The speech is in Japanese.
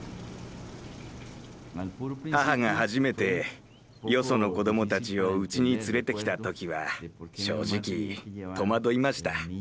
母が初めてよその子どもたちをうちに連れてきた時は正直とまどいました。